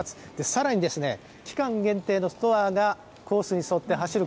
さらに、期間限定のストアが、コースに沿って走る